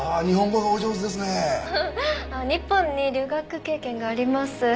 日本に留学経験があります。